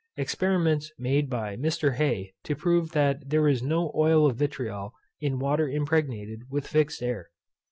_EXPERIMENTS made by Mr. Hey to prove that there is no OIL of VITRIOL in water impregnated with FIXED AIR.